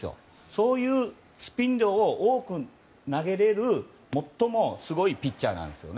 そういうスピン量を多く投げられるすごいピッチャーです。